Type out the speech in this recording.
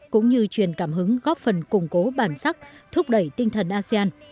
cũng như truyền cảm hứng góp phần củng cố bản sắc thúc đẩy tinh thần asean